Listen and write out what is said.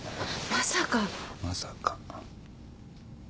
まさか。